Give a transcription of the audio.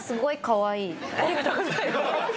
ありがとうございます